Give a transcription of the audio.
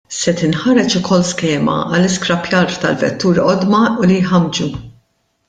Se tinħareġ ukoll skema għall-iskrappjar tal-vetturi qodma u li jħammġu.